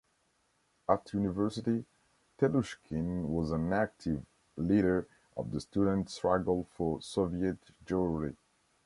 At university, Telushkin was an active leader of the Student Struggle for Soviet Jewry.